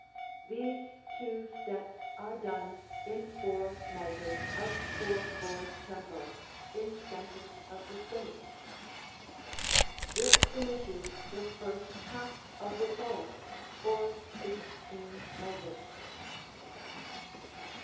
These two steps are done in four measures of 4/4 tempo in centre of the stage. This finishes the first half of the chorus, or 16 measures.